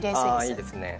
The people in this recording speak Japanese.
あいいですね。